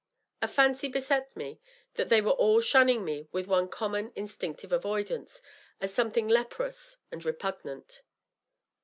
A fancy beset me that they were all shunning me with one com mon, instinctive avoidance, as something leprous and repugnant.